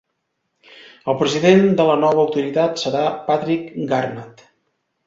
El president de la nova autoritat serà Patrick Garnett.